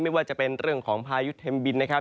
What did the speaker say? ไม่ว่าจะเป็นเรื่องของพายุเทมบินนะครับ